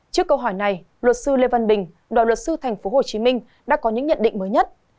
trước câu hỏi này luật sư lê văn bình đoàn luật sư tp hcm đã có những nhận định mới nhất